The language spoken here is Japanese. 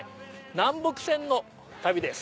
南北線の旅です。